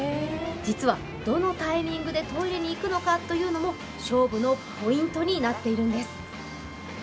実はどのタイミングでトイレに行くのかというのも勝負のポイントになっているんです。